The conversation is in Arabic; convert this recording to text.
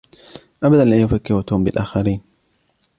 أبدًا لا يفكّر توم بالآخرين.